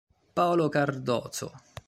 Paolo Cardozo